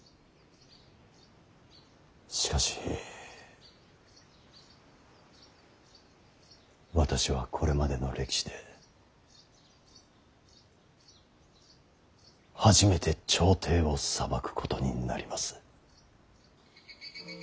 しかし私はこれまでの歴史で初めて朝廷を裁くことになります。